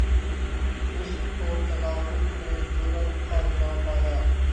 حسن کو تغافل میں جرأت آزما پایا